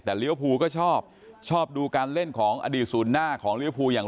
แต่เลี้ยวภูก็ชอบชอบดูการเล่นของอดีตศูนย์หน้าของลิวภูอย่าง